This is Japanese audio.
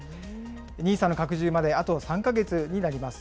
ＮＩＳＡの拡充まであと３か月になります。